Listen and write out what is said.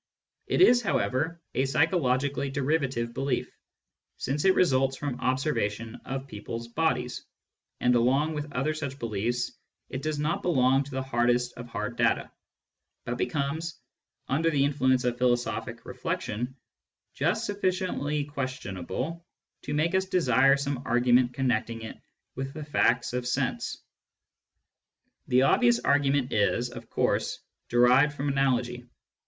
It is, however, a psychologically derivative belief, since it results from observation of people's bodies ; and along with other such beliefs, it does not belong to the hardest of hard data, but becomes, under the influence of philosophic reflection, just sufliciently questionable to make us desire some argument connecting it with the facts of sense. The obvious argument is, of course, derived from analogy.